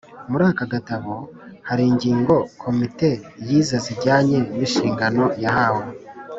muri aka gatabo hari ingingo komite yize zijyanye n'inshingano yahawe